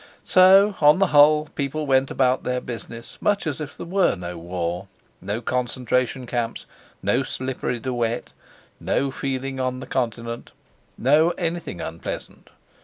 So, on the whole, people went about their business much as if there were no war, no concentration camps, no slippery de Wet, no feeling on the Continent, no anything unpleasant.